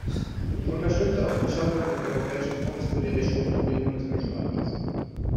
Ich unterstütze auch die Schaffung des Europäischen Fonds für die Restrukturierung des Milchmarktes.